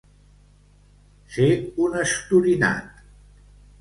Ser un estorinat.